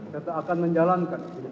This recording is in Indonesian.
serta akan menjalankan